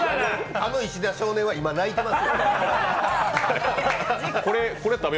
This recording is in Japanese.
あの石田少年は今、泣いてますよ。